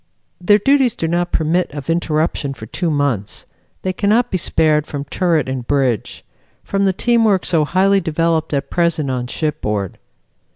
Their duties do not permit of interruption for two months. They cannot be spared from turret and bridge; from the team work so highly developed at present on shipboard.